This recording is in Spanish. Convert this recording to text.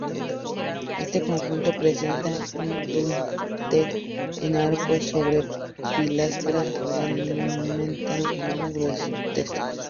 Este conjunto presenta un dintel en arco, sobre pilastras, ornamentado con grutescos.